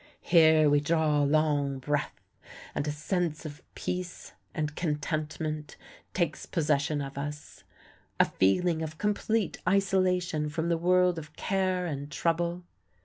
Here we draw a long breath, and a sense of peace and contentment takes possession of us a feeling of complete isolation from the world of care and trouble.